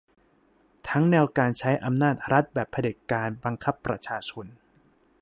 ทั้งแนวการใช้อำนาจรัฐแบบเผด็จการบังคับประชาชน